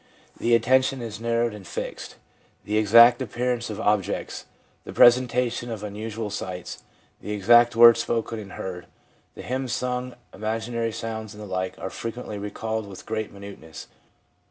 The atten tion is narrowed and fixed. The exact appearance of objects, the presentation of unusual sights, the exact words spoken and heard, the hymns sung, imaginary sounds and the like are frequently recalled with great minuteness.